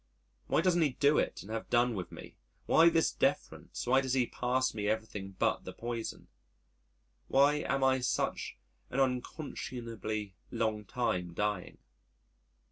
Why doesn't he do it and have done with me? Why this deference, why does he pass me everything but the poison? Why am I such an unconscionably long time dying?